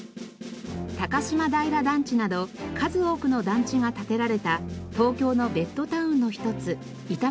高島平団地など数多くの団地が建てられた東京のベッドタウンの一つ板橋区。